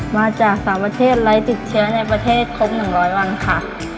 มาจาก๓ประเทศไร้ติดเชื้อในประเทศครบ๑๐๐วันค่ะ